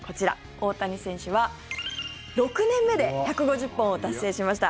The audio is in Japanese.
大谷選手は６年目で１５０本を達成しました。